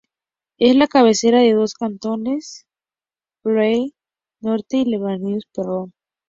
Es la cabecera de dos cantones: Levallois-Perret Norte y Levallois-Perret Sur.